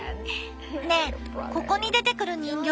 ねえここに出てくる人形